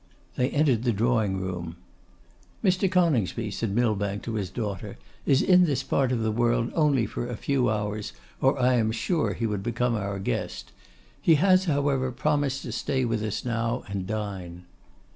They entered the drawing room. 'Mr. Coningsby,' said Millbank to his daughter, 'is in this part of the world only for a few hours, or I am sure he would become our guest. He has, however, promised to stay with us now and dine.